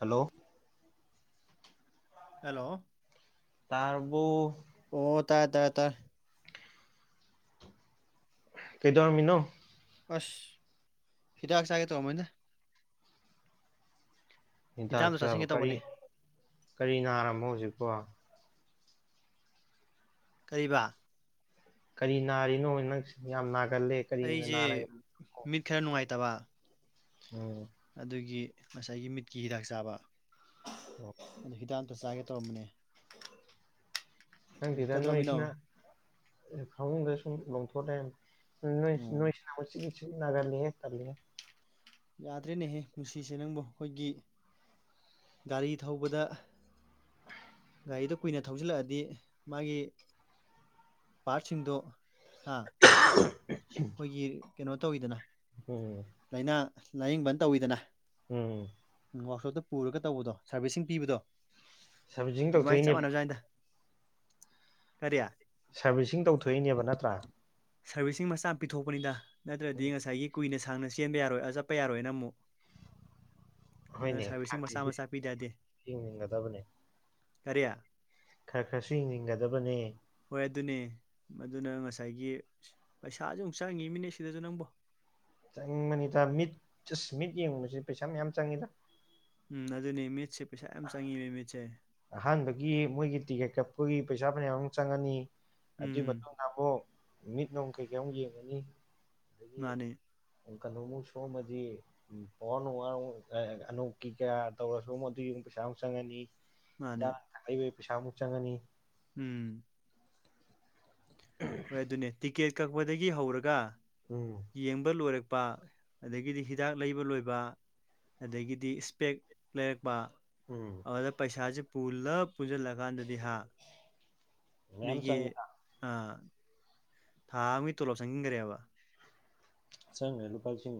hello hello ꯇꯥꯔꯕ‌ꯣ ꯑꯣ ꯇꯥ ꯇꯥꯔ‌ꯦ ꯇꯥꯔ‌ꯦ ꯀꯩꯗꯧꯔꯝꯃꯤꯅ‌ꯣ ꯑꯁ ꯍꯤꯗꯥꯛ ꯆꯥꯒꯦ ꯇꯧꯝꯕꯅꯤꯗ ꯍꯤꯗꯥꯛ ꯑꯃ ꯆꯥꯕ ꯆꯥꯁꯤꯟꯒꯦ ꯀꯔꯤ ꯇꯧꯕꯅꯦ ꯀꯔꯤ ꯅꯥꯔꯝꯃꯣ ꯍꯧꯖꯤꯛꯄ‌ꯣ ꯀꯔꯤꯕꯥ ꯀꯔꯤ ꯅꯥꯔꯤꯅꯣ ꯅꯪꯁ ꯌꯥꯝ ꯅꯥꯒꯜꯂꯦ ꯀꯔꯤꯒꯤꯅ ꯑꯩꯁꯦ ꯅꯥꯔꯒꯦ ꯃꯤꯠ ꯈꯔ ꯅꯨꯡꯉꯥꯏꯇꯕ ꯎꯝ ꯑꯗꯨꯒꯤ ꯉꯁꯥꯏꯒꯤ ꯃꯤꯠꯀꯤ ꯍꯤꯗꯥꯛ ꯆꯥꯕ ꯑꯣ ꯑꯗꯨ ꯍꯤꯗꯥꯛ ꯑꯝꯇ ꯆꯥꯒꯦ ꯇꯧꯔꯝꯕꯅꯦ ꯈꯪꯗꯦꯗ ꯀꯩꯗꯧꯔꯝꯃꯤꯅꯣ ꯅꯣꯏꯁꯤꯅ ꯐꯃꯨꯡꯗ ꯁꯨꯝ ꯂꯣꯡꯊꯣꯛ ꯂꯩꯔ ꯅ‌ꯣꯏꯁ ꯑꯣ ꯅꯣꯏꯁ [unintelligible] ꯇꯜꯂꯤꯍ‌ꯦ ꯌꯥꯗ꯭ꯔꯦꯅꯦꯍꯦ ꯄꯨꯟꯁꯤꯁꯦ ꯅꯪꯕꯨ ꯑꯩꯈꯣꯏꯒꯤ ꯒꯥꯔꯤ ꯊꯧꯕꯗ ꯒꯥꯔꯤꯗꯣ ꯀꯨꯏꯅ ꯊꯧꯖꯤꯜꯂꯛꯑꯗꯤ ꯃꯥꯒꯤ ꯄꯥꯔ꯭ꯠꯁꯤꯡꯗꯣ ꯍꯥ ꯑꯩꯈꯣꯏꯒꯤ ꯀꯩꯅꯣ ꯇꯧꯋꯤꯗꯅ ꯎꯝ ꯂꯥꯏꯅꯥ ꯂꯥꯏꯌꯦꯡꯕꯟ ꯇꯧꯋꯤꯗꯅ ꯎꯝ ꯎ ꯋꯥꯛꯁꯣꯞꯇ ꯄꯨꯔꯒ ꯇꯧꯕꯗꯣ ꯁꯥꯔꯕꯤꯁꯤꯡ ꯄꯤꯕꯗꯣ ꯁꯥꯔꯚꯤꯁꯤꯡ ꯑꯗꯨꯃꯥꯏꯅ ꯆꯞ ꯇꯧꯊꯣꯛꯏꯅꯦꯕ ꯃꯥꯟꯅꯖꯥꯠꯅꯤꯗ ꯀꯔꯤ ꯁꯔꯕꯤꯁꯤꯡ ꯇꯧꯊꯣꯛꯏꯅꯦꯕ ꯅꯠꯇ꯭ꯔꯥ ꯁꯔꯕꯤꯁꯤꯡ ꯃꯆꯥ ꯄꯤꯊꯣꯛꯄꯅꯤꯗ ꯅꯠꯇ꯭ꯔꯗꯤ ꯉꯁꯥꯏꯒꯤ ꯀꯨꯏꯅ ꯁꯥꯡꯅ ꯆꯦꯟꯕ ꯌꯥꯔꯣꯏ ꯑ ꯆꯠꯄ ꯌꯥꯔꯣꯏꯅ ꯑꯃꯨꯛ ꯑꯗꯨꯅ ꯍꯣꯏꯅꯦ ꯁꯥꯔꯚꯤꯁꯁꯤꯡ ꯈꯔ ꯃꯆꯥ ꯈꯔꯁꯨ ꯃꯆꯥ ꯄꯤꯗ ꯌꯥꯗꯦ ꯌꯦꯡꯅꯤꯡꯒꯗꯕꯅꯦ ꯀꯔꯤ ꯈꯔ ꯈꯔꯁꯨ ꯌꯦꯡꯖꯤꯟꯒꯗꯕꯅꯦ ꯍꯣꯏ ꯑꯗꯨꯅꯦ ꯃꯗꯨꯅ ꯉꯁꯥꯏꯒꯤ ꯄꯩꯁꯥꯁꯨ ꯑꯃꯨꯛ ꯆꯪꯉꯤꯝꯃꯤꯅ‌ꯦ ꯁꯤꯗꯁꯨ ꯅꯪꯕꯣ ꯆꯪꯕꯅꯤꯗ ꯃꯤꯠ ꯑꯁ ꯃꯤꯠ ꯌꯦꯡꯕꯖꯤ ꯄꯩꯁꯥ ꯃꯌꯥꯝ ꯆꯪꯉꯤꯗ ꯎꯝ ꯑꯗꯨꯅꯦ ꯃꯤꯠꯁꯦ ꯄꯩꯁꯥ ꯌꯥꯝ ꯆꯪꯉ‌ꯦꯕ ꯃꯤꯠꯁꯦ ꯑꯍꯥꯟꯕꯒꯤ ꯃꯣꯏꯒꯤ ꯇꯤꯀꯦꯠ ꯀꯛꯄꯒꯤ ꯄꯩꯁꯥ ꯐꯅꯌꯥꯝ ꯑꯃ ꯆꯪꯉꯅꯤ ꯑꯗꯨꯏ ꯎꯝ ꯃꯇꯨꯡ [unintelligible] ꯕ‌ꯣ ꯃꯤꯠ ꯅꯨꯡ ꯀꯩꯀꯩꯃꯨꯛ ꯌꯦꯡꯉꯅꯤ ꯃꯥꯅꯦ ꯎꯟ ꯀꯩꯅꯣꯃꯨꯛ ꯁꯣꯛꯑꯝꯃꯗꯤ ꯄꯋꯔ ꯅꯨꯡꯋꯥꯔ ꯑꯃꯨꯛ ꯑꯅꯣꯛꯀꯤ ꯀꯌꯥ ꯇꯧꯔꯁꯨ ꯑꯗꯨꯒꯤꯛ ꯄꯩꯁꯥ ꯑꯃꯨꯛ ꯆꯪꯉꯅꯤ ꯃꯥꯅꯦ ꯍꯤꯗꯥꯛ ꯂꯥꯪꯊꯛ ꯂꯩꯕꯒꯤ ꯄꯩꯁꯥꯃꯨꯛ ꯆꯪꯉꯅꯤ ꯎꯝ ꯍꯣꯏ ꯑꯗꯨꯅꯦ ꯇꯤꯀꯦꯠ ꯀꯛꯄꯗꯒꯤ ꯍꯧꯔꯒ ꯎꯝ ꯌꯦꯡꯕ ꯂꯣꯏꯔꯛꯄ ꯑꯗꯒꯤꯗꯤ ꯍꯤꯗꯥꯛ ꯂꯩꯕ ꯂꯣꯏꯕ ꯑꯗꯒꯤꯗꯤ ꯏꯁꯄꯦꯛ ꯂꯩꯔꯛꯄ ꯎꯝ ꯑꯗ ꯄꯩꯁꯥꯁꯦ ꯄꯨꯜꯂꯞ ꯄꯨꯟꯁꯤꯜꯂꯀꯥꯟꯗꯗꯤ ꯍꯥ ꯃꯌꯥꯝ ꯃꯤꯒꯤ ꯆꯪꯉꯦ ꯑ ꯊꯥ ꯑꯃꯒꯤ ꯇꯣꯂꯣꯞ ꯆꯪꯁꯤꯟꯈ꯭ꯔꯦꯕ ꯆꯪꯈ꯭ꯔꯦ ꯂꯨꯄꯥ ꯂꯤꯁꯤꯡ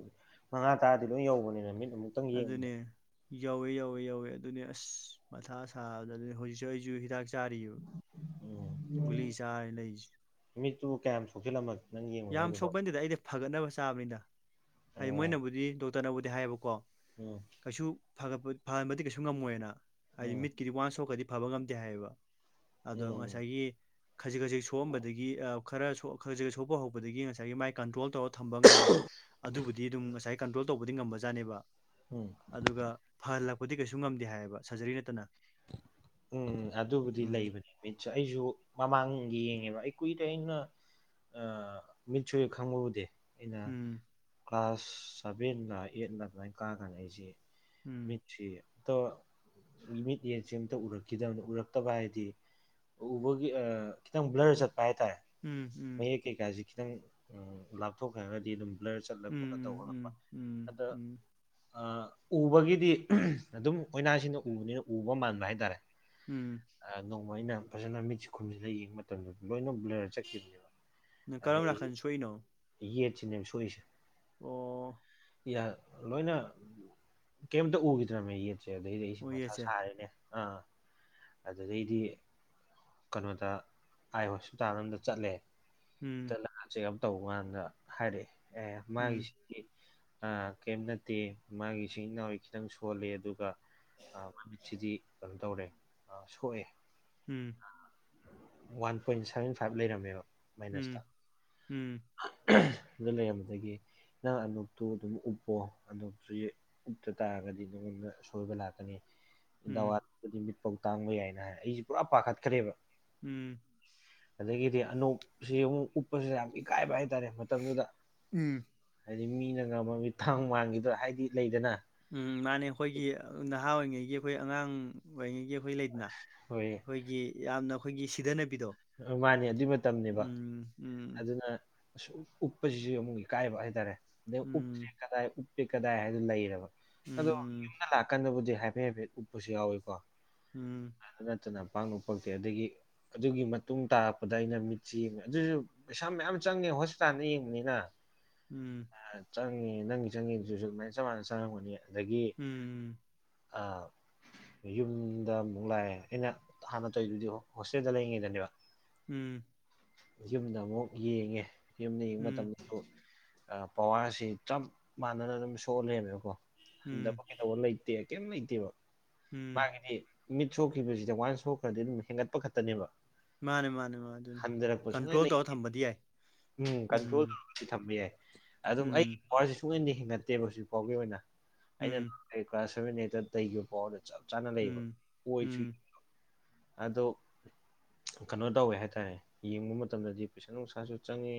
ꯃꯉꯥ ꯇꯔꯥꯗꯤ ꯂꯣꯏ ꯌꯧꯕꯅꯤ ꯅꯨꯃꯤꯠ ꯑꯗꯨꯅꯦ ꯌꯥꯎꯋꯦ ꯌꯥꯎꯋꯦ ꯌꯥꯎꯋꯦ ꯑꯗꯨꯅꯦ ꯑꯁ ꯃꯊꯥ ꯁꯥꯕꯗ ꯑꯗꯨ ꯍꯧꯖꯤꯛꯁꯨ ꯑꯩꯁꯨ ꯍꯤꯗꯥꯛꯁ ꯆꯥꯔꯤꯕꯥ ꯒꯨꯂꯤ ꯆꯔꯒꯥ ꯂꯩꯔꯤꯁꯦ ꯃꯤꯠꯇꯨꯕꯨ ꯀꯌꯥꯝ ꯁꯣꯛꯆꯜꯂꯝꯃꯒꯦ ꯌꯥꯝ ꯁꯣꯛꯄ ꯅꯠꯇꯦꯗꯥ ꯑꯩꯗꯤ ꯐꯒꯠꯅꯕ ꯆꯥꯕꯅꯤ ꯍꯥꯏꯗꯤ ꯑꯣ ꯃꯣꯏꯅꯕꯨꯗꯤ ꯗꯣꯛꯇꯔꯅꯕꯨꯗꯤ ꯍꯥꯏꯌꯦꯕꯀꯣ ꯎꯝ ꯀꯩꯁꯨꯄ ꯐꯍꯟꯕꯗꯤ ꯀꯩꯁꯨ ꯉꯝꯃꯣꯏꯅ ꯍꯥꯏꯗꯤ ꯎꯝ ꯃꯤꯠꯀꯤꯗꯤ ꯋꯥꯟ ꯁꯣꯛꯈꯔꯥꯗꯤ ꯐꯥꯍꯟꯕ ꯉꯝꯗꯦ ꯍꯥꯏꯌꯦꯕ ꯑꯗꯣ ꯎꯝ ꯉꯁꯥꯏꯒꯤ ꯈꯖꯤꯛ ꯈꯖꯤꯛ ꯁꯣꯛꯑꯝꯕꯗꯒꯤ ꯈꯔ ꯈꯖꯤꯛ ꯈꯖꯤꯛ ꯁꯣꯛꯄ ꯍꯧ ꯍꯧꯕꯗꯒꯤ ꯉꯁꯥꯏꯒꯤ ꯃꯥꯏ ꯀꯟꯇ꯭ꯔꯣꯜ ꯇꯧꯔꯒ ꯊꯝꯕ ꯉꯝꯕ ꯑꯗꯨꯕꯨꯗꯤ ꯑꯗꯨꯝ ꯉꯁꯥꯏ ꯀꯟꯇ꯭ꯔꯣꯜ ꯇꯧꯕꯗꯤ ꯉꯝꯕꯖꯥꯠꯅꯦꯕ ꯎꯝ ꯑꯗꯨꯒ ꯐꯍꯜꯂꯛꯄꯗꯤ ꯀꯩꯁꯨ ꯉꯝꯗꯦ ꯍꯥꯏꯌꯦꯕ ꯁꯔꯖꯔꯤ ꯅꯠꯇꯅ ꯎꯝ ꯑꯗꯨꯕꯨꯗꯤ ꯎꯝ ꯂꯩꯕꯅꯦ ꯃꯤꯠꯁꯨ ꯑꯩꯁꯨ ꯃꯃꯥꯡ ꯌꯦꯡꯉꯦꯕ ꯑꯩ ꯀꯨꯏꯔꯦ ꯑꯩꯅ ꯑ ꯃꯤꯠ ꯁꯣꯛꯏ ꯈꯪꯕꯕꯨꯗꯤ ꯑꯩꯅ ꯀ꯭ꯂꯥꯁ ꯁꯚꯦꯟ ꯂꯥ ꯑꯩꯏꯠ ꯂꯥ ꯑꯗꯨꯃꯥꯏ ꯀꯥꯔꯀꯥꯟꯗ ꯑꯩꯁꯦ ꯃꯤꯇꯁꯦ ꯍꯦꯛꯇꯥ ꯍꯦꯛꯇ ꯎꯔꯛꯈꯤꯗꯕꯅ ꯎꯔꯛꯇꯕ ꯍꯥꯏꯗꯤ ꯎꯕꯒꯤ ꯈꯤꯇꯪ ꯕ꯭ꯂꯔ ꯆꯠꯄ ꯍꯥꯏꯇꯥꯔꯦ ꯎꯝ ꯎꯝ ꯀꯩꯀꯥꯥꯁ ꯈꯤꯇꯪ ꯂꯥꯞꯊꯣꯛꯈ꯭ꯔꯒꯗꯤ ꯑꯗꯨꯝ ꯕꯂꯨꯔ ꯆꯠꯂ ꯈꯣꯠꯂ ꯇꯧꯔꯛꯄ ꯑꯗ ꯎꯕꯒꯤꯗꯤ ꯑꯗꯨꯝ ꯑꯣꯏꯅꯥꯁꯤꯡꯅ ꯎꯕꯅꯤꯅ ꯎꯕ ꯃꯥꯟꯕ ꯍꯥꯏꯇꯥꯔꯦ ꯎꯝ ꯑ ꯅꯣꯡꯃ ꯑꯩꯅ ꯐꯖꯅ ꯃꯤꯠꯁꯤ ꯈꯨꯝꯁꯤꯗ ꯌꯦꯡꯕ ꯃꯇꯝꯗ ꯂꯣꯏꯅ ꯕ꯭ꯂꯔ ꯆꯠꯈꯤꯕꯅꯦꯕ ꯀꯔꯝ ꯅꯥꯀꯥꯟ ꯁꯣꯛꯏꯅꯣ ꯌꯦꯠ ꯁꯤꯅꯦ ꯁꯣꯛꯏꯁꯦ ꯑꯣ ꯌꯥ ꯂꯣꯏꯅ ꯀꯩꯝꯇꯥ ꯎꯈꯤꯗ꯭ꯔꯃꯦ ꯌꯦꯠ ꯁꯦ ꯑꯗꯨꯗꯩꯗꯤ ꯑꯩꯁꯦ ꯑꯣ ꯃꯊꯥ ꯌꯦꯠꯁꯦ ꯁꯥꯔꯦꯅꯦ ꯑꯥ ꯑꯗꯨꯗꯩꯗꯤ ꯀꯩꯅꯣꯗ ꯑꯥꯏ ꯍꯣꯁꯄꯤꯇꯥꯜ ꯑꯝꯗ ꯆꯠꯂꯦ ꯎꯝ ꯆꯠꯂꯀꯟꯁꯤꯗ ꯇꯧꯕ ꯀꯥꯟꯁꯤꯗꯥ ꯍꯥꯏꯔꯛꯑꯦ ꯑꯦ ꯎꯝ ꯃꯥꯒꯤꯁꯤ ꯀꯩꯝ ꯅꯠꯇꯦ ꯃꯥꯒꯤ ꯁꯨꯡꯂꯤ ꯅꯥꯎꯔꯤ ꯈꯤꯇꯪ ꯁꯣꯜꯂꯤ ꯑꯗꯨꯒ ꯃꯃꯤꯠꯁꯤꯗꯤ ꯀꯩꯅꯣ ꯇꯧꯔꯦ ꯑ ꯁꯣꯛꯑꯦ ꯎꯝ ꯋꯥꯟ ꯄꯣꯏꯟ ꯁꯚꯦꯟ ꯐꯥꯏꯚ ꯂꯩꯔꯝꯃꯦꯕ ꯃꯥꯏꯅꯁꯇ ꯎꯝ ꯎꯝ ꯑꯗꯨ ꯂꯩꯔꯝꯕꯗꯒꯤ ꯅꯪ ꯑꯗꯨꯞꯇꯨ ꯑꯗꯨꯝ ꯎꯞꯄꯣ [unintelligible] [unintelligible] ꯑꯥꯁꯣꯏꯕꯂꯛꯀ ꯅꯤ ꯎꯝ [unintelligible] ꯃꯤꯠꯄꯧ ꯇꯥꯡꯕ ꯌꯥꯏꯅ ꯍꯥꯏ ꯑꯩꯁꯦ ꯄꯨꯔꯥ ꯄꯥꯈꯠꯈ꯭ꯔꯦꯕ ꯎꯝ ꯑꯗꯒꯤꯗꯤ ꯑꯅꯣꯛꯁꯤ ꯑꯃꯨꯛ ꯎꯞꯄꯁꯤꯗ ꯌꯥꯝ ꯏꯀꯥꯏꯕ ꯍꯥꯏꯇꯥꯔꯦ ꯃꯇꯝꯗꯨꯗ ꯎꯝ ꯍꯥꯏꯗꯤ ꯃꯤꯅꯒ ꯃꯃꯤ ꯊꯥꯡ ꯃꯥꯡꯈꯤꯗ ꯍꯥꯏꯗꯤ ꯂꯩꯗꯅ ꯎꯝ ꯃꯥꯅꯦ ꯑꯩꯈꯣꯏꯒꯤ ꯅꯍꯥ ꯑꯣꯏꯔꯤꯉꯩꯒꯤ ꯑꯩꯈꯣꯏ ꯑꯉꯥꯡ ꯑꯣꯏꯔꯤꯉꯩꯒꯤ ꯑꯩꯈꯣꯏ ꯂꯩ ꯍꯣꯏ ꯑꯩꯈꯣꯏꯒꯤ ꯌꯥꯝꯅ ꯑꯩꯈꯣꯏꯒꯤ ꯁꯤꯗꯅꯕꯤꯗꯣ ꯃꯥꯅꯦ ꯑꯗꯨꯏ ꯃꯇꯝꯅꯤꯅꯦꯕ ꯎꯝ ꯎꯝ ꯑꯗꯨꯅ ꯎꯞꯄꯁꯤꯁꯨ ꯑꯃꯨꯛ ꯏꯀꯥꯏꯕ ꯍꯥꯏꯇꯥꯔꯦ ꯑꯗꯩ ꯎꯞꯇ꯭ꯔꯦ ꯎꯝ ꯀꯗꯥꯏ ꯎꯞꯇꯦ ꯀꯗꯥꯏ ꯍꯥꯏꯗꯣ ꯂꯩꯕ ꯑꯗꯣ ꯎꯝ ꯌꯨꯝꯗ ꯀꯟꯅꯕꯨꯗꯤ ꯍꯥꯏꯐꯦꯠ ꯍꯥꯏꯐꯦꯠ ꯎꯞꯄꯁꯨ ꯌꯥꯎꯋꯏꯀꯣ ꯎꯝ ꯅꯠꯇꯅ ꯄꯥꯛꯅ ꯎꯄꯛꯇꯦ ꯑꯗꯒꯤ ꯑꯗꯨꯒꯤ ꯇꯨꯡ ꯇꯥꯔꯛꯄꯗ ꯑꯩꯅ ꯃꯤꯠꯁ ꯌꯦꯡꯉꯦ ꯑꯗꯨꯁꯨ ꯄꯩꯁꯥ ꯃꯌꯥꯝ ꯆꯪꯉꯦ ꯍꯣꯁꯄꯤꯇꯥꯜꯗ ꯌꯦꯡꯕꯅꯤꯅ ꯎꯝ ꯆꯪꯉꯦ ꯅꯪꯒꯤ ꯆꯪꯉꯤꯗꯨꯁꯨ ꯑꯗꯨꯃꯥꯏꯅ ꯆꯞ ꯃꯥꯟꯅ ꯆꯪꯉꯝꯒꯅꯤ ꯑꯗꯒꯤ ꯎꯝ ꯎꯝ ꯑꯥ ꯌꯨꯝꯗ ꯑꯃꯨꯛ ꯂꯥꯛꯑꯦ ꯑꯩꯅ ꯍꯥꯟꯅ ꯇꯧꯔꯤꯗꯨꯗꯤ ꯍꯣꯁꯇꯦꯜꯗ ꯂꯩꯔꯤꯉꯩꯗꯅꯦꯕ ꯎꯝ ꯌꯨꯝꯗ ꯑꯃꯨꯛ ꯌꯦꯡꯉꯦ ꯌꯨꯝꯗ ꯌꯦꯡꯕ ꯎꯝ ꯃꯇꯝꯗꯁꯨ ꯑꯥ ꯄꯋꯥꯔꯁꯤ ꯆꯞ ꯃꯥꯟꯅꯅ ꯑꯗꯨꯝ ꯁꯣꯛꯑꯥꯂꯦꯃꯦꯕꯀꯣ ꯎꯝ ꯍꯟꯊꯕ ꯀꯩꯗꯧꯕ ꯂꯩꯇꯦ ꯀꯩꯝ ꯂꯩꯇꯦꯕ ꯎꯝ ꯃꯥꯒꯤꯗꯤ ꯃꯤꯠ ꯁꯣꯛꯈꯤꯕꯁꯤꯗ ꯋꯥꯅ ꯁꯣꯛꯈ꯭ꯔꯗꯤ ꯑꯗꯨꯝ ꯍꯦꯟꯒꯠꯄ ꯈꯛꯇꯅꯦꯕ ꯃꯥꯅꯦ ꯃꯥꯅꯦ ꯃꯥ ꯑꯗꯨꯅꯤ ꯍꯟꯊꯔꯛꯄ ꯁꯨꯡꯂꯩ ꯀꯟꯇ꯭ꯔꯣꯜ ꯂꯩ ꯇꯧꯔ ꯊꯝꯕꯗꯤ ꯌꯥꯏ ꯎꯝ ꯀꯟꯇ꯭ꯔꯣꯜ ꯇꯧꯔꯒꯗꯤ ꯊꯝꯕ ꯌꯥꯏ ꯑꯗꯨꯝ ꯑꯩꯒꯤ ꯎꯝ ꯄꯋꯥꯔꯁꯦ ꯁꯨꯡꯍꯦꯟꯗꯤ ꯍꯦꯟꯒꯠꯇꯦꯕ ꯍꯧꯖꯤꯛꯐꯥꯎꯒꯤ ꯑꯣꯏꯅ ꯑꯩꯅ ꯎꯝ ꯀ꯭ꯂꯥꯁ ꯁꯚꯦꯟ ꯑꯩꯠꯇ ꯇꯩꯈꯤꯕ ꯄꯥꯎꯗ ꯆꯞ ꯆꯥꯅ ꯂꯩꯕ ꯎꯝ ꯑꯣꯏꯁꯨ ꯎꯝ ꯑꯗꯣ ꯀꯩꯅꯣ ꯇꯧꯋꯦ ꯍꯥꯏꯇꯥꯔꯦ ꯌꯦꯡꯕ ꯃꯇꯝꯗꯗꯤ ꯄꯩꯁꯥ ꯅꯨꯡꯁꯥꯁꯨ ꯆꯪꯉꯦ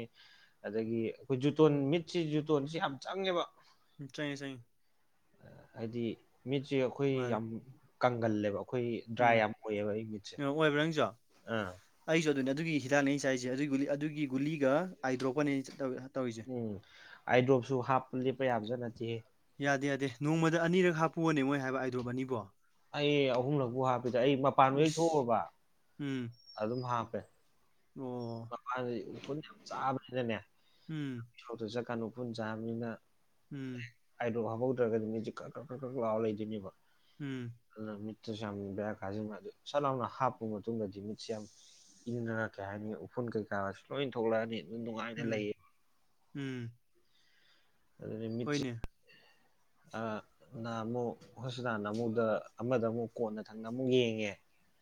ꯑꯗꯒꯤ ꯑꯩꯈꯣꯏ ꯖꯨꯇꯣꯟ ꯃꯤꯠꯁꯤ ꯖꯨꯇꯣꯟꯁꯤ ꯌꯥꯝ ꯆꯪꯉꯦꯕ ꯆꯥꯏ ꯆꯍꯤ ꯍꯥꯏꯗꯤ ꯃꯤꯠꯁꯦ ꯑꯩꯈꯣꯏ ꯃꯥꯅꯦ ꯌꯥꯝ ꯀꯪꯒꯜꯂꯦꯕ ꯑꯩꯈꯣꯏ ꯗ꯭ꯔꯥꯏ ꯌꯥꯝ ꯑꯣꯏꯌꯦꯕ ꯑꯩ ꯃꯤꯠꯁꯦ ꯑꯣꯏꯕ꯭ꯔ ꯅꯪꯖꯣ ꯑꯥ ꯑꯩꯁꯨ ꯑꯗꯨꯅꯦ ꯑꯗꯨꯒꯤ ꯍꯤꯗꯥꯛ ꯂꯩꯩꯅ ꯆꯥꯏꯔꯤꯁꯦ ꯑꯗꯨꯒꯤ ꯒꯨ ꯑꯗꯨꯒꯤ ꯒꯨꯂꯤꯒ ꯑꯥꯏꯗꯣꯔꯣꯛꯄꯅꯦ ꯑꯩ ꯇꯧ ꯇꯧꯔꯤꯁꯦ ꯑꯥꯏꯗ꯭ꯔꯣꯞꯁꯨ ꯍꯥꯞꯄ ꯂꯦꯞꯄ ꯌꯥꯖ ꯅꯠꯇꯦ ꯌꯥꯗꯦ ꯌꯥꯗꯦ ꯅꯣꯡꯃꯗ ꯑꯅꯤꯔꯛ ꯍꯥꯞꯄꯨꯑꯣꯅꯦ ꯃꯣꯏ ꯍꯥꯏꯕ ꯑꯏꯗ꯭ꯔꯣꯕ ꯑꯅꯤꯕꯣ ꯑꯩ ꯑꯍꯨꯝꯂꯛꯄꯨ ꯍꯥꯞꯄꯤꯗ ꯑꯩ ꯃꯄꯥꯟ ꯍꯦꯛ ꯏꯁ ꯊꯣꯛꯎꯔꯕ ꯎꯝ ꯑꯗꯨꯝ ꯍꯥꯞꯄꯦ ꯑꯣ ꯃꯄꯥꯟꯁꯤ ꯎꯐꯨꯜ ꯌꯥꯝ ꯆꯥꯕꯅꯤꯅꯅꯦ ꯎꯝ [unintelligible] ꯆꯠꯀꯥꯟꯗ ꯎꯐꯨꯜ ꯆꯥꯕꯅꯤꯅ ꯎꯝ ꯑꯥꯏ ꯗꯔꯣꯞ ꯍꯥꯞꯍꯧꯗ꯭ꯔꯒꯗꯤ ꯃꯤꯁꯦ ꯀꯔꯛ ꯀꯔꯛ ꯀꯛ ꯂꯥꯎꯔ ꯂꯩꯗꯣꯏꯅꯦꯕ ꯎꯝ ꯑꯗꯨꯅ ꯃꯤꯠꯇꯁꯨ ꯌꯥꯝ ꯕꯦꯔ ꯀꯥꯁꯤ ꯑꯗꯨ ꯁꯠ ꯂꯥꯎꯅ ꯍꯥꯞꯄ ꯃꯇꯨꯡꯗꯗꯤ ꯃꯤꯠꯁꯦ ꯌꯥꯝ ꯏꯗꯅ ꯀꯩ ꯍꯥꯏꯅꯤ ꯎꯐꯨꯜ ꯀꯩꯀꯥꯁꯨ ꯂꯣꯏ ꯊꯣꯛꯂꯛꯑꯅꯤ ꯑꯗꯨꯝ ꯅꯨꯡꯉꯥꯏꯅ ꯎꯝ ꯂꯩꯌꯦ ꯎꯝ ꯑꯗꯨꯗꯤ ꯃꯤꯠꯆꯤ ꯍꯣꯏꯅꯦ ꯑꯥ ꯅꯍꯥꯟꯃꯨꯛ ꯍꯣꯁꯄꯤꯇꯥꯜ ꯑꯃꯨꯛꯗ ꯑꯃꯗ ꯑꯃꯨꯛ ꯀꯣꯟꯅ ꯊꯪꯅ ꯑꯃꯨꯛ ꯌꯦꯡꯉꯦ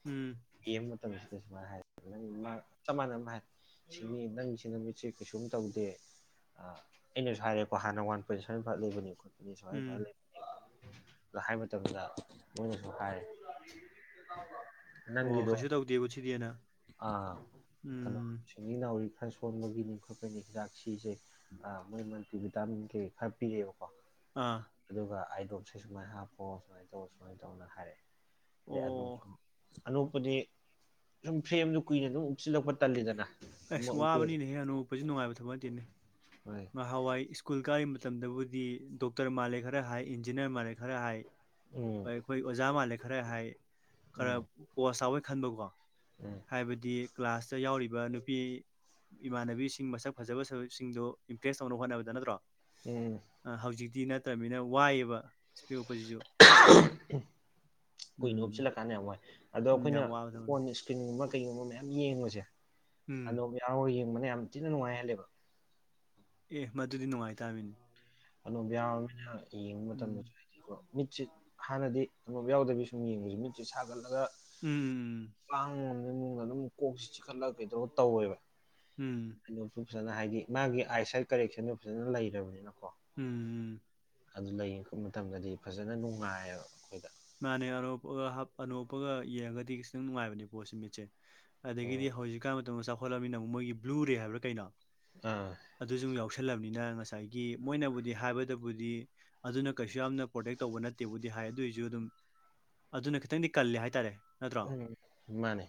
ꯎꯝ ꯌꯦꯡ ꯃꯇꯝꯁꯤꯗ ꯁꯨꯃꯥꯏꯅ ꯍꯥꯏ ꯅꯪ ꯃꯥ ꯆꯞ ꯃꯥꯟꯅ ꯎꯝ ꯍꯥꯏ [unintelligible] ꯅꯪꯒꯤꯁꯤꯅ ꯃꯤꯠ ꯁꯤ ꯀꯩꯁꯨꯝ ꯇꯧꯗꯦ ꯑꯥ ꯑꯩꯅꯁꯨ ꯍꯥꯏꯔꯦꯀꯣ ꯍꯥꯟꯅ ꯋꯥꯟ ꯄꯣꯏꯟ ꯁꯕꯦꯟ ꯐꯥꯏꯕ ꯂꯩꯕꯅꯤ ꯈꯣ [unintelligible] ꯎꯝ ꯑꯗ ꯍꯥꯏ ꯃꯇꯝꯗ ꯃꯣꯏꯅꯁꯨ ꯍꯥꯏꯔꯦ ꯑꯣ ꯀꯩꯁꯨ ꯇꯧꯗꯦꯕ ꯁꯤꯗꯤꯑꯅ ꯑꯥ ꯀꯩꯅꯣ ꯁꯤꯡꯂꯤ ꯅꯥꯎꯔꯤ ꯈꯔ ꯁꯣꯟꯕꯒꯤꯅꯤ ꯈꯣꯠꯄꯅꯤ ꯍꯤꯗꯥꯛ ꯁꯤꯁꯦ ꯑꯥ ꯃꯣꯏ ꯃꯜꯇꯤꯚꯤꯇꯥꯃꯤꯟ ꯀꯩꯩ ꯈꯔ ꯄꯤꯌꯦꯕꯀꯣ ꯑꯥ ꯑꯗꯨꯒ ꯑꯥꯏꯗꯣꯞꯁꯦ ꯁꯨꯃꯥꯏꯅ ꯍꯥꯞꯄꯣ ꯁꯨꯃꯥꯏꯅ ꯇꯧ ꯁꯨꯃꯥꯏꯅ ꯇꯧꯅ ꯍꯥꯏꯔꯛꯑꯦ ꯑꯗꯩ ꯑꯣ ꯑꯅꯣꯛꯁꯨ ꯑꯅꯣꯛꯄꯖꯗꯤ ꯁꯨꯝ ꯐ꯭ꯔꯦꯝꯖꯨ ꯀꯨꯏꯅ ꯑꯗꯨꯝ ꯎꯞꯁꯤꯜꯂꯛꯄ ꯇꯜꯂꯤꯗꯅ ꯑꯃ ꯑꯁ ꯎꯞꯄꯦꯗꯤ ꯋꯥꯕꯅꯤꯅꯦꯍꯦ ꯑꯅꯣꯛ ꯎꯞꯄꯖꯤ ꯅꯨꯡꯉꯥꯏꯕ ꯊꯕꯛ ꯅꯇꯦꯅꯦ ꯍꯣꯏ ꯉꯍꯋꯥꯏ ꯁ꯭ꯀꯨꯜ ꯀꯥꯔꯤ ꯃꯇꯝꯗꯕꯨꯗꯤ ꯗꯣꯛꯇꯔ ꯃꯥꯜꯂꯦ ꯈꯔ ꯍꯥꯏ ꯏꯟꯖꯤꯅꯤꯌꯥꯔ ꯃꯥꯜꯂꯦ ꯈꯔ ꯍꯥꯏ ꯎꯝ ꯍꯣꯏ ꯑꯈꯣꯏ ꯑꯣꯖꯥ ꯃꯥꯜꯂꯦ ꯈꯔ ꯍꯥꯏ ꯈꯔ ꯎꯝ ꯄꯣꯁ ꯇꯕꯣꯏ ꯈꯟꯕꯀꯣ ꯎꯝ ꯍꯥꯏꯕꯗꯤ ꯀ꯭ꯂꯥꯁꯇ ꯌꯥꯎꯔꯤꯕ ꯅꯨꯄꯤ ꯏꯃꯥꯟꯅꯕꯤꯁꯤꯡ ꯃꯁꯛ ꯐꯖꯕ ꯐꯖꯕ ꯁꯤꯡꯗꯨ ꯏꯝꯄ꯭ꯔꯦꯖ ꯇꯧꯅ ꯍꯣꯠꯅꯕꯗ ꯅꯠꯇ꯭ꯔꯣ ꯎꯝ ꯑꯥ ꯍꯧꯖꯤꯛꯇꯤ ꯅꯠꯇ꯭ꯔꯅꯤꯅ ꯋꯥꯏꯌꯦꯕ ꯏꯁꯄꯦꯛ ꯎꯞꯄꯖꯤꯖꯨ ꯀꯨꯏꯅ ꯎꯝ ꯎꯞꯆꯤꯜꯂꯀꯥꯟꯗ ꯌꯥꯝ ꯋꯥꯏ ꯑꯗꯣ ꯎꯝ ꯑꯩꯈꯣꯏꯅ ꯌꯥꯝ ꯋꯥꯕ ꯊꯕꯛꯅꯤ ꯐꯣꯟ ꯃꯤꯁ ꯀꯤꯟꯒꯨꯝꯕ ꯀꯩꯒꯨꯝꯕ ꯃꯌꯥꯝ ꯌꯦꯡꯕꯖꯦ ꯎꯝ ꯑꯅꯣꯞ ꯌꯥꯎꯔꯒ ꯌꯦꯡꯕꯅ ꯌꯥꯝ ꯊꯤꯅ ꯅꯨꯡꯉꯥꯏꯍꯜꯂꯦꯕ ꯑꯦ ꯃꯗꯨꯗꯤ ꯅꯨꯡꯉꯥꯏꯇꯥꯃꯤꯅꯦ ꯑꯅꯣꯞ ꯌꯥꯎꯔꯕꯅꯤꯅ ꯌꯦꯡꯕ ꯎꯝ ꯃꯇꯝꯗꯁꯨ ꯍꯥꯏꯗꯤꯀꯣ ꯃꯤꯠꯁꯤꯠ ꯍꯥꯟꯅꯗꯤ ꯑꯅꯣꯞ ꯌꯥꯎꯗꯕꯤꯁꯨ ꯁꯨꯝ ꯌꯦꯡꯕꯖꯤ ꯃꯤꯠꯁꯦ ꯁꯥꯒꯠꯂꯒ ꯎꯝ ꯄꯥꯡꯕ ꯉꯝꯗ ꯃꯋꯣꯡꯗ ꯑꯗꯨꯝ ꯀꯣꯛꯁꯤ ꯆꯤꯈꯠꯂꯒ ꯀꯩꯗꯧ ꯇꯧꯋꯦꯕ ꯎꯝ ꯀꯩꯅꯣꯇꯨ ꯐꯖꯅ ꯍꯥꯏꯗꯤ ꯃꯥꯒꯤ ꯑꯥꯏ ꯁꯥꯏꯠ ꯀꯔꯦꯛꯁꯟꯗꯨ ꯐꯖꯅ ꯂꯩꯔꯕꯅꯤꯅꯀꯣ ꯎꯝ ꯑꯗꯨꯅ ꯌꯦꯡꯉꯛꯄ ꯃꯇꯝꯗꯗꯤ ꯐꯖꯅ ꯅꯨꯡꯉꯥꯏꯌꯦꯕ ꯑꯩꯈꯣꯏꯗ ꯃꯥꯅꯦ ꯑꯅꯣꯞ ꯎꯞꯄꯒ ꯍꯥꯞ ꯑꯅꯣꯞ ꯎꯞꯄꯒ ꯌꯦꯡꯉꯒꯗꯤ ꯈꯤꯁꯇꯪ ꯅꯨꯡꯉꯥꯏꯕꯅꯦ ꯄꯣꯠ ꯁꯤ ꯃꯤꯠꯁꯦ ꯎꯝ ꯑꯗꯒꯤꯗꯤ ꯍꯧꯖꯤꯛꯀꯥꯟ ꯃꯇꯝꯗ ꯆꯥꯎꯈꯠꯂꯃꯤꯅ ꯑꯃꯨꯛ ꯃꯣꯏꯒꯤ ꯕ꯭ꯂꯨꯨ ꯔꯦ ꯍꯥꯏꯕ꯭ꯔꯥ ꯀꯩꯅꯣ ꯑꯥ ꯑꯗꯨꯖꯨꯃꯨꯛ ꯌꯥꯎꯁꯜꯂꯕꯅꯤꯅ ꯉꯁꯥꯏꯒꯤ ꯃꯣꯏꯅꯕꯨꯗꯤ ꯍꯥꯏꯕꯗꯕꯨꯗꯤ ꯑꯗꯨꯅ ꯀꯩꯁꯨ ꯌꯥꯝꯅ ꯄ꯭ꯔꯣꯇꯦꯛ ꯇꯧꯕ ꯅꯠꯇꯦꯕꯨꯗꯤ ꯍꯥꯏ ꯑꯗꯨꯑꯣꯏꯖꯨ ꯑꯗꯨꯝ ꯑꯗꯨꯅ ꯈꯤꯇꯪꯗꯤ ꯀꯜꯂꯦ ꯍꯥꯏꯇꯥꯔꯦ ꯅꯠꯇ꯭ꯔꯣ ꯎꯝ ꯃꯥꯅꯦ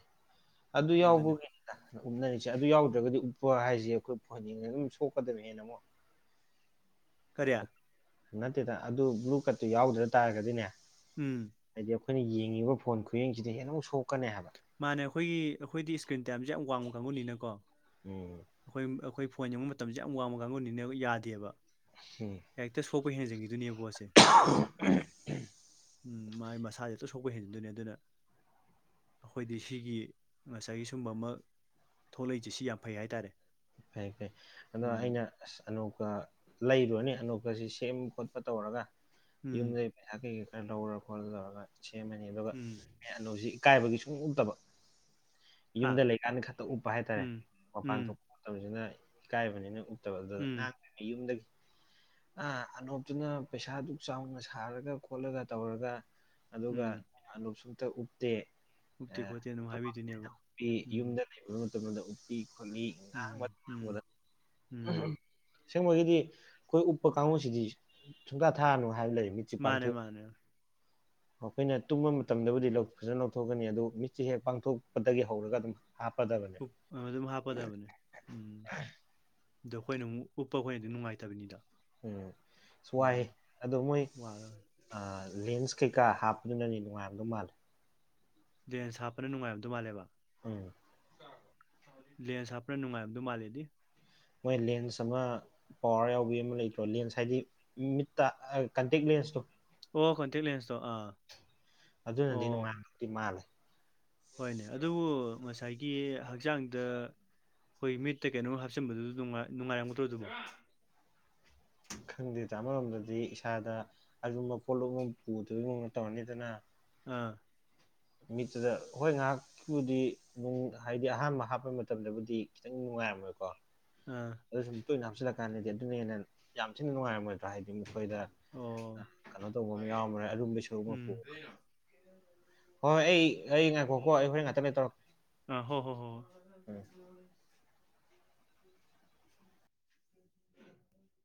ꯑꯗꯨ ꯑꯗꯨꯅꯦ ꯌꯥꯎꯕꯒꯤꯅꯤ ꯎꯞꯅꯔꯤꯁꯦ ꯑꯗꯨ ꯌꯥꯎꯗ꯭ꯔꯒꯗꯤ ꯎꯞꯄ ꯍꯥꯏꯁꯦ ꯑꯩꯈꯣꯏ ꯐꯌꯦꯡ ꯑꯗꯨꯝ ꯁꯣꯛꯀꯗꯕꯅꯦꯅ ꯑꯃꯨꯛ [unintelligible] ꯅꯠꯇꯦꯗ ꯑꯗꯨ ꯕ꯭ꯂꯨ ꯀꯠꯇꯨ ꯌꯥꯎꯗ꯭ꯔ ꯇꯥꯔꯒꯗꯤꯅꯦ ꯎꯝ ꯍꯥꯏꯗꯤ ꯑꯩꯈꯣꯏꯅ ꯌꯦꯡꯉꯤꯕ ꯐꯣꯟ ꯈꯨꯌꯦꯡꯁꯤꯗ ꯍꯦ ꯑꯃꯨꯛ ꯁꯣꯛꯀꯅꯦ ꯍꯥꯏꯕ ꯃꯥꯅꯦ ꯑꯩꯈꯣꯏꯒꯤ ꯑꯩꯈꯣꯏꯗꯤ ꯏꯁꯀ꯭ꯔꯤꯟ ꯇꯥꯏꯝꯁꯦ ꯌꯥꯝ ꯋꯥꯡꯕ ꯀꯥꯡꯕꯨꯨꯅꯤꯅꯀꯣ ꯎꯝ ꯑꯩꯈꯣꯏ ꯑꯩꯈꯣꯏ ꯐꯣꯟ ꯌꯦꯡꯕ ꯃꯇꯝꯁꯦ ꯌꯥꯝ ꯋꯥꯡꯃꯕ ꯀꯥꯡꯕꯨꯅꯤꯕ ꯌꯥꯗꯦꯕ ꯎꯝ ꯍꯦꯛꯇ ꯁꯣꯛꯄ ꯍꯦꯟꯖꯟꯈꯤꯗꯨꯅꯦꯕꯣꯁꯦ ꯑ ꯎꯝ ꯃꯥꯥꯏ ꯃꯁꯥꯁꯦ ꯑꯇ ꯁꯣꯛꯄ ꯍꯦꯟꯖꯤꯟꯗꯣꯏꯅꯦ ꯑꯗꯨꯅ ꯑꯩꯈꯣꯏꯗꯤ ꯁꯤꯒꯤ ꯉꯁꯥꯏꯒꯤ ꯁꯨꯝꯕ ꯑꯃ ꯊꯣꯛꯂꯛꯏꯁꯦ ꯁꯤ ꯌꯥꯝ ꯐꯩ ꯍꯥꯏꯇꯥꯔꯦ ꯐꯩ ꯐꯩ ꯑꯗꯣ ꯎꯝ ꯑꯩꯅ ꯑꯁ ꯑꯅꯣꯛꯀ ꯂꯩꯔꯨꯔꯅꯦ ꯑꯅꯣꯛꯀꯁꯤ ꯁꯦꯝꯕ ꯈꯣꯠꯄ ꯇꯧꯔꯒ ꯎꯝ ꯌꯨꯝꯗꯩ ꯄꯩꯁꯥ ꯀꯩꯀꯩ ꯈꯔ ꯂꯧꯔ ꯈꯣꯠꯂ ꯇꯧꯔꯒ ꯁꯦꯝꯃꯅꯤ ꯑꯗꯨꯒ ꯎꯝ ꯑꯩ ꯑꯅꯨꯁꯤ ꯏꯀꯥꯏꯕꯒꯤ ꯁꯨꯡ ꯎꯛꯇꯕ ꯍꯥ ꯌꯨꯝꯗ ꯂꯩꯀꯥꯟꯗ ꯈꯛꯇ ꯎꯞꯄ ꯍꯥꯏꯇꯥꯔꯦ ꯎꯝ ꯃꯄꯥꯟ ꯎꯝ ꯊꯣꯛꯄ ꯃꯇꯝꯁꯤꯅ ꯏꯀꯥꯏꯕꯅꯤꯅ ꯎꯝ ꯀꯨꯝꯗꯒꯤ ꯑ ꯑꯅꯣꯞꯇꯨꯅ ꯄꯩꯁꯥꯗꯨ ꯆꯥꯎꯅ ꯁꯥꯔꯒ ꯈꯣꯠꯂꯒ ꯇꯧꯔꯒ ꯑꯗꯨꯒ ꯎꯝ ꯑꯂꯁꯨꯝꯇ ꯎꯞꯇꯦ ꯎꯛꯇꯦ ꯈꯣꯠꯇꯦ ꯑꯗꯨꯝ ꯍꯥꯏꯕꯤꯗꯣꯏꯅꯦꯕ ꯎꯄꯤ ꯎꯝ ꯌꯨꯝꯗ ꯂꯩꯕꯕ ꯃꯇꯝꯗ ꯎꯞꯄꯤ ꯈꯣꯠꯂꯤ ꯎꯝ ꯎꯝ ꯎ ꯎꯝ ꯁꯁꯦꯡꯕꯒꯤꯗꯤ ꯑꯩꯈꯣꯏ ꯎꯞꯄ ꯀꯥꯡꯕꯨꯁꯤꯗꯤ ꯁꯨꯡꯇꯥ ꯊꯥꯔꯅꯨ ꯍꯥꯏꯕ ꯂꯩ ꯃꯤ [unintelligible] ꯃꯥꯅꯦ ꯃꯥꯅꯦ ꯑꯩꯈꯣꯏꯅ ꯇꯨꯝꯕ ꯃꯇꯝꯗꯕꯨꯗꯤ ꯐꯖꯅ ꯂꯧꯊꯣꯛꯀꯅꯤ ꯑꯗꯨ ꯃꯤꯠꯁꯦ ꯍꯦꯛ ꯄꯥꯡꯊꯣꯛꯄꯗꯒꯤ ꯍꯧꯔꯒ ꯑꯗꯨꯝ ꯍꯥꯥ ꯄꯗꯒ ꯑꯗꯨꯝ ꯍꯥꯞꯄꯗꯕꯅꯦ ꯎꯝ ꯑꯗꯣ ꯑꯩꯈꯣꯏꯅ ꯑꯃꯨꯛ ꯎꯞꯄ ꯑꯩꯈꯣꯏꯅꯗꯤ ꯅꯨꯡꯉꯥꯏꯇꯕꯅꯤꯗꯣ ꯎꯝ ꯑꯁ ꯋꯥꯏꯍꯦ ꯑꯗꯣ ꯃꯣꯏ ꯋꯥꯔ ꯂꯦꯟꯁ ꯀꯩꯀꯥ ꯍꯥꯞꯄꯗꯨꯅꯅꯦ ꯅꯨꯡꯉꯥꯏꯔꯝꯗꯧ ꯃꯥꯜꯂꯦ ꯗꯦꯟꯁ ꯍꯥꯞꯄꯅ ꯅꯨꯡꯉꯥꯏꯔꯝꯗꯧ ꯃꯥꯜꯂꯦꯕ ꯎꯝ ꯂꯦꯟꯁ ꯍꯥꯞꯄꯅ ꯅꯨꯡꯉꯥꯏꯝꯗ ꯃꯥꯜꯂꯦꯗꯤ ꯃꯣꯏ ꯂꯦꯟꯁ ꯑꯃ ꯄꯋꯥꯔ ꯌꯥꯎꯕ ꯑꯃ ꯂꯩꯇ꯭ꯔꯣ ꯂꯦꯟꯁ ꯍꯥꯏꯗꯤ ꯃꯤꯠꯇ ꯀꯟꯇꯦꯛ ꯂꯦꯟꯁꯇꯣ ꯑꯣ ꯈꯣꯟꯇꯤ ꯂꯩꯁꯣ ꯑ ꯑꯗꯨꯅꯗꯤ ꯅꯣꯡꯉꯥꯟꯕꯕꯗꯤ ꯃꯥꯜꯂꯦ ꯍꯣꯏꯅꯦ ꯑꯗꯨꯕꯨ ꯉꯁꯥꯏꯒꯤ ꯍꯛꯆꯥꯡꯗ ꯍꯣꯏ ꯃꯤꯠꯇ ꯀꯩꯅꯣꯝ ꯍꯥꯞꯆꯤꯟꯕꯗꯨ ꯅꯨꯡꯉꯥꯏ ꯅꯨꯡꯉꯥꯏꯔꯝꯒꯗ꯭ꯔꯣ ꯑꯗꯨꯕꯨꯣ ꯈꯪꯗꯦ ꯇꯥ ꯑꯃꯔꯣꯝꯗꯗꯤ ꯏꯁꯥꯗ ꯑꯨꯝꯕ ꯄꯣꯠꯂꯨ ꯑꯃ ꯄꯨꯗꯕꯒꯤ ꯃꯑꯣꯡ ꯇꯧꯔꯅꯤꯗꯅ ꯑꯥ ꯃꯤꯠꯇꯨꯗ ꯍꯣꯏ ꯉꯥꯏꯍꯥꯛ ꯨꯎꯗꯤꯌꯦ ꯅꯨꯡ ꯍꯥꯏꯗꯤ ꯑꯍꯥꯟꯕ ꯍꯥꯞꯄꯩ ꯃꯇꯝꯗꯕꯨꯗꯤ ꯈꯤꯇꯪ ꯅꯨꯡꯉꯥꯏꯔꯝꯃꯣꯏꯀꯣ ꯑꯥ ꯑꯗꯨ ꯁꯨꯝ ꯇꯣꯏꯅ ꯍꯥꯞꯆꯤꯜꯂꯀꯥꯟꯗꯗꯤ ꯑꯗꯨꯅ ꯍꯦꯟꯅ ꯌꯥꯝ ꯊꯤꯅ ꯅꯨꯡꯉꯥꯏꯔꯝꯃꯣꯏ ꯍꯥꯏꯗꯤ ꯃꯈꯣꯏꯗ ꯑꯣ ꯀꯩꯅꯣ ꯇꯧꯕ ꯑꯃ ꯌꯥꯎꯔꯝꯃꯔꯣꯏ ꯑꯔꯨꯝꯕꯩ ꯁꯔꯨꯛ ꯃꯛꯄꯨ ꯎꯝ ꯍꯣꯏ ꯑꯩ ꯑꯩ ꯉꯥꯏꯈꯣꯀꯣ ꯑꯩ ꯍꯣꯔꯦꯟ ꯉꯥꯛꯇꯪ ꯂꯩꯔ ꯇꯧꯔꯛꯀꯦ ꯑꯥ ꯍꯣ ꯍꯣ ꯍꯣ ꯍꯣ ꯎꯝ [inaudible]